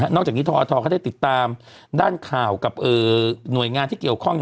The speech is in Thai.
จากนี้ทอทเขาได้ติดตามด้านข่าวกับหน่วยงานที่เกี่ยวข้อง